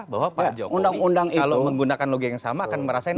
bahwa pak jokowi kalau menggunakan logika yang sama akan merasakan